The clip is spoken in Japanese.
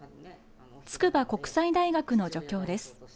つくば国際大学の助教です。